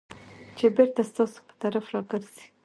چې بېرته ستاسو په طرف راګرځي .